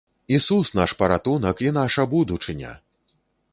Ісус наш паратунак і наша будучыня!